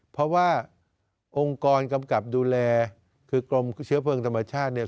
เพราะว่าองค์กรกำกับดูแลคือกรมเชื้อเพลิงธรรมชาติเนี่ย